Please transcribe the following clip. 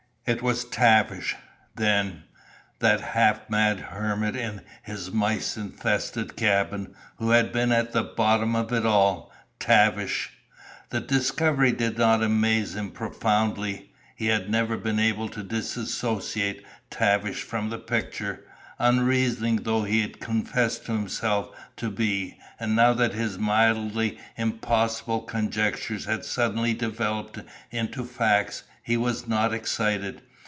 It was Tavish, then that half mad hermit in his mice infested cabin who had been at the bottom of it all! Tavish! The discovery did not amaze him profoundly. He had never been able to dissociate Tavish from the picture, unreasoning though he confessed himself to be, and now that his mildly impossible conjectures had suddenly developed into facts, he was not excited.